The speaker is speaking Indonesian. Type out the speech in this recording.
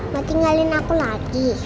mau tinggalin aku lagi